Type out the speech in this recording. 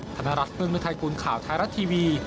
ธนรัฐเฟืองมือไทยกุลข่าวไทรัฐทีวี